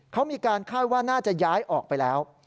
เขามีการคาดว่าน่าจะย้ายออกไปแล้ว